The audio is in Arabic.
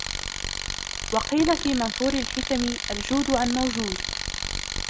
وَقِيلَ فِي مَنْثُورِ الْحِكَمِ الْجُودُ عَنْ مَوْجُودٍ